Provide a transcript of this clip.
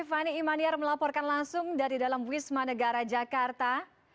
fani imaniar melaporkan langsung dari dalam wisma negara jakarta